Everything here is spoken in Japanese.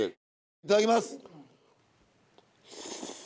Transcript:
いただきます。